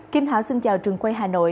kim thảo xin chào trường quay hà nội